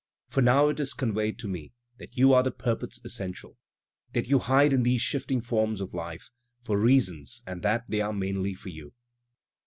For now it is conveyed to me that you are the purports essential, That you hide in these shifting forms of life, for reasons, and that they are mainly for you.